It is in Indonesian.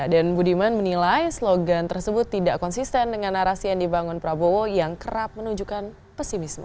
dan budiman menilai slogan tersebut tidak konsisten dengan narasi yang dibangun prabowo yang kerap menunjukkan pesimisme